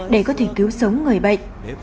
để có thể cứu sống người bệnh